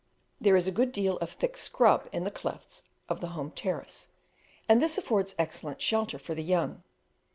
There is a good deal of thick scrub in the clefts of the home terrace, and this affords excellent shelter for the young.